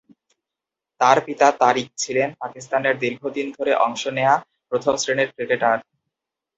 তার পিতা তারিক ছিলেন পাকিস্তানের দীর্ঘ দিন ধরে অংশ নেয়া প্রথম শ্রেণীর ক্রিকেটার।